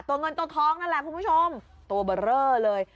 เงินตัวทองนั่นแหละคุณผู้ชมตัวเบอร์เรอเลย